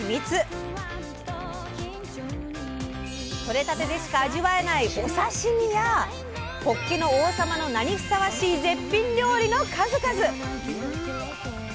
とれたてでしか味わえないお刺身やほっけの王様の名にふさわしい絶品料理の数々。